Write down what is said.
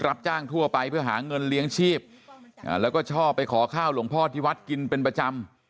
รับจ้างทั่วไปเพื่อหาเงินเลี้ยงชีพแล้วก็ชอบไปขอข้าวหลวงพ่อที่วัดกินเป็นประจำ